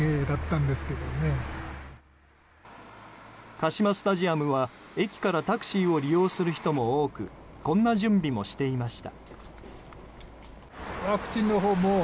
カシマスタジアムは駅からタクシーを利用する人も多くこんな準備もしていました。